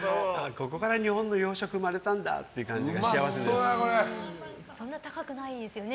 ここから日本の洋食が生まれたんだっていう感じがそんな高くないですよね